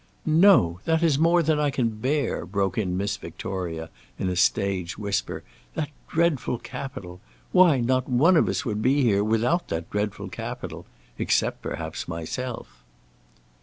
"No! that is more than I can bear!" broke in Miss Victoria in a stage whisper, "that dreadful Capitol! Why, not one of us would be here without that dreadful Capitol! except, perhaps, myself."